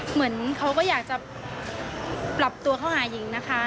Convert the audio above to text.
เหมือนเขาก็อยากจะปรับตัวเข้าหาหญิงนะคะ